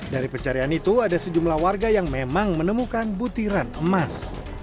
dari pencarian itu ada sejumlah warga yang memang menemukan butiran emas